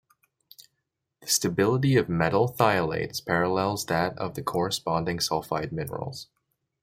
The stability of metal thiolates parallels that of the corresponding sulfide minerals.